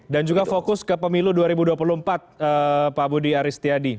dan juga fokus ke pemilu dua ribu dua puluh empat pak budi aristiadi